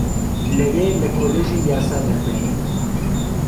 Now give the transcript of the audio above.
لەوێ لە کۆلێژی یاسا دەخوێنێت